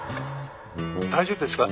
大丈夫ですか？